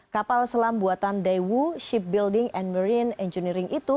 kapal selam buatan daewoo shipbuilding and marine engineering itu